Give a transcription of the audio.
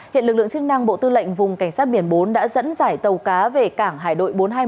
hiện lực lượng chức năng bộ tư lệnh vùng cảnh sát biển bốn đã dẫn dải tàu cá về cảng hải đội bốn trăm hai mươi một